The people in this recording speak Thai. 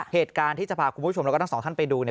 เหตุการณ์ที่จะพาคุณผู้ชมแล้วก็ทั้งสองท่านไปดูเนี่ย